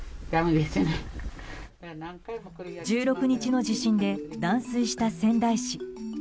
１６日の地震で断水した仙台市。